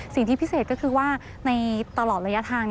สิ่งที่พิเศษก็คือว่าในตลอดระยะทาง